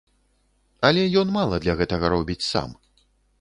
Але ён мала для гэтага робіць сам.